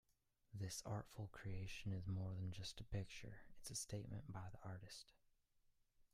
This artful creation is more than just a picture, it's a statement by the artist.